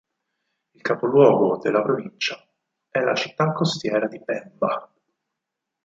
Il capoluogo della provincia è la città costiera di Pemba.